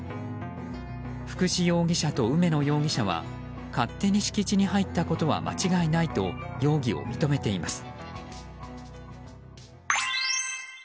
福士容疑者と梅野容疑者は勝手に敷地に入ったことは間違いないと容疑を認めています。